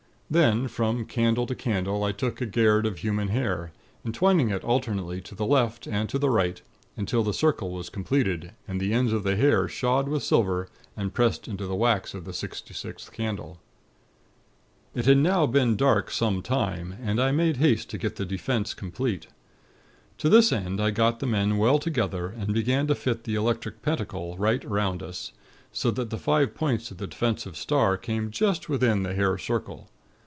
"Then, from candle to candle I took a 'gayrd' of human hair, entwining it alternately to the left and to the right, until the circle was completed, and the ends of the hair shod with silver, and pressed into the wax of the sixty sixth candle. "It had now been dark some time, and I made haste to get the 'Defense' complete. To this end, I got the men well together, and began to fit the Electric Pentacle right around us, so that the five points of the Defensive Star came just within the Hair Circle.